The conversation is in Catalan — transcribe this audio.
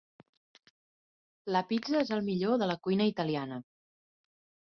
La pizza és el millor de la cuina italiana.